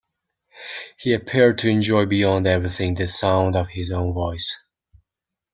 He appeared to enjoy beyond everything the sound of his own voice.